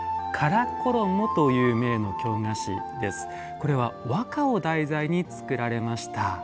これは和歌を題材に作られました。